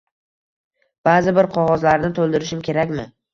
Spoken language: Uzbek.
Ba’zi bir qog’ozlarni to’ldirishim kerakmi?